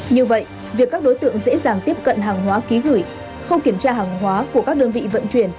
như vậy việc các đối tượng dễ dàng tiếp cận hàng hóa ký gửi không kiểm tra hàng hóa của các đơn vị vận chuyển